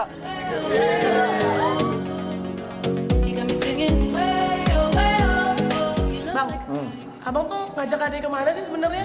bang abang tuh ngajak adik ke mana sih sebenarnya